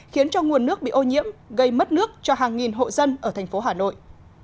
khiến cho nguồn nước bị ô nhiễm gây mất nước cho hàng nghìn hộ dân ở thành phố hà nội